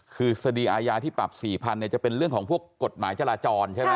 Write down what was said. คือคดีอาญาที่ปรับ๔๐๐เนี่ยจะเป็นเรื่องของพวกกฎหมายจราจรใช่ไหม